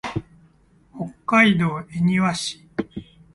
北海道恵庭市